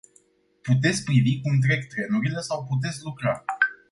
Puteți privi cum trec trenurile sau puteți lucra.